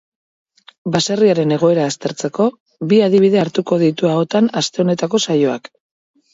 Baserriaren egoera aztertzeko, bi adibide hartuko ditu ahotan aste honetako saioak.